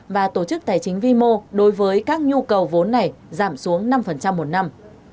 và tổ chức tài chính vimo đối với các nhu cầu vốn này giảm xuống năm một năm